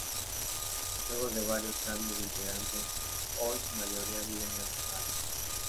Luego de varios cambios de integrantes, hoy su mayoría viven en Rosario.